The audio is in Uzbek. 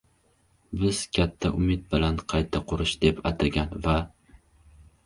Biz katta umid bilan «qayta qurish» deb atagan va